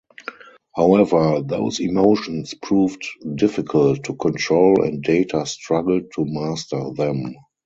However, those emotions proved difficult to control and Data struggled to master them.